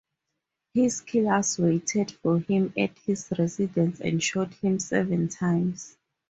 His killers waited for him at his residence and shot him seven times.